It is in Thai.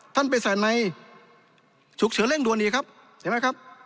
ไปใส่ในฉุกเฉินเร่งด่วนอีกครับเห็นไหมครับ